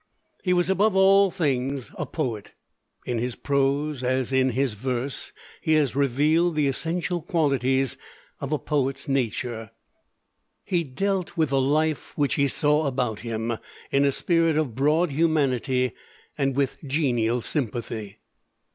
He was above all things a poet. In his prose as in his verse he has revealed the essential qualities of a poet's nature: he dealt with the life which he saw about him in a spirit of broad humanity and with genial sympathy.